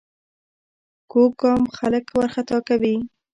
کوږ ګام خلک وارخطا کوي